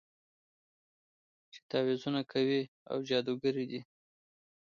چې تعويذونه کوي او جادوګرې دي.